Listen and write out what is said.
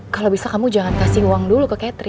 kalau bisa kamu jangan kasih uang dulu ke catering